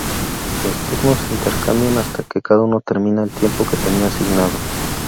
Los turnos se intercambian hasta que cada uno termina el tiempo que tenía asignado.